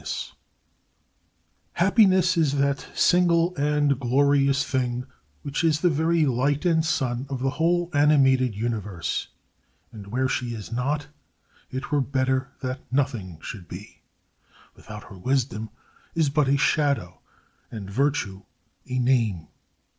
] Happiness is that single and glorious thing which is the very light and sun of the whole animated universe, and where she is not it were better that nothing should be. Without her wisdom is but a shadow, and virtue a name.